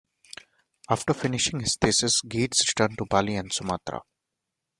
After finishing his thesis, Geertz returned to Bali and Sumatra.